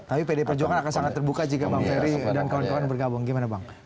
tapi pdi perjuangan akan sangat terbuka jika bang ferry dan kawan kawan bergabung gimana bang